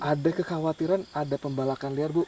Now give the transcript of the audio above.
ada kekhawatiran ada pembalakan legalitas